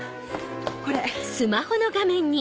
これ。